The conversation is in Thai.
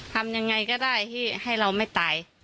ทำยังไงก็ได้ที่ให้เราไม่ตาย